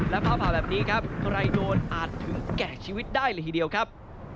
แล้วฟ้าผ่าแบบนี้ครับใครโดนอาจถึงแก่ชีวิตได้เลยทีเดียวครับ